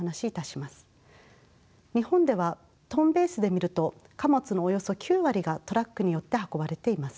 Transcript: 日本ではトンベースで見ると貨物のおよそ９割がトラックによって運ばれています。